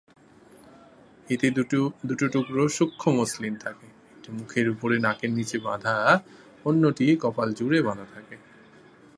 এতে দুটি টুকরা সূক্ষ্ম মসলিন থাকে, একটি মুখের উপর নাকের নীচে বাঁধা এবং অন্যটি কপাল জুড়ে বাঁধা থাকে।